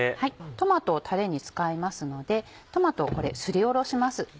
トマトをたれに使いますのでトマトをこれすりおろします。